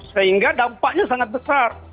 sehingga dampaknya sangat besar